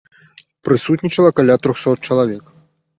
Прысутнічала каля трохсот чалавек.